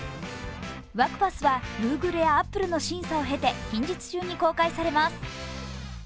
ワクパスはＧｏｏｇｌｅやアップルの審査を経て近日中に公開されます。